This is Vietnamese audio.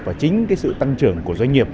và chính sự tăng trưởng của doanh nghiệp